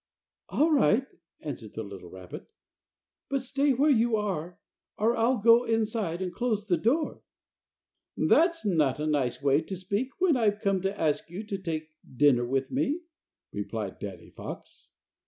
"All right," answered the little rabbit; "but stay where you are or I'll go inside and close the door." "That's not a nice way to speak when I've come to ask you to take dinner with us," replied Danny Fox.